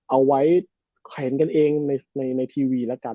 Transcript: เอาไว้เห็นกันเองในทีวีแล้วกัน